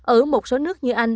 ở một số nước như anh